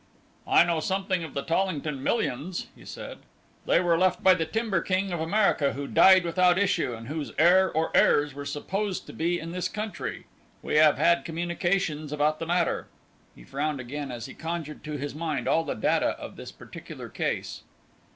"I know something of the Tollington millions," he said; "they were left by the timber king of America who died without issue, and whose heir or heirs were supposed to be in this country. We have had communications about the matter." He frowned again as he conjured to his mind all the data of this particular case.